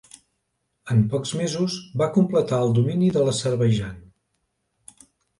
En pocs mesos va completar el domini de l'Azerbaidjan.